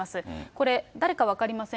これ、誰か分かりません。